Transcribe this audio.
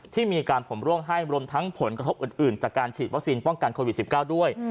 ที่มีการผมร่วงให้รวมทั้งผลกระทบอื่นจากการฉีดวัคซีนป้องกันโควิด๑๙ด้วย